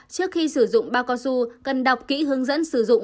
trước khi sử dụng ba cao su cần đọc kỹ hướng dẫn sử dụng